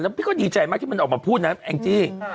พี่ก็ดีใจมากที่มันออกมาพูดนะแองจี้